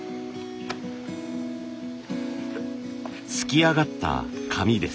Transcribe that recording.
すきあがった紙です。